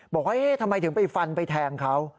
บอกว่าทำไมถึงไปฟันไปแทงเขา